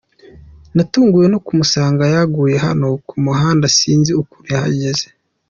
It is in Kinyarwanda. Natunguwe no kumusanga yaguye hano ku muhanda sinzi ukuntu yahageze.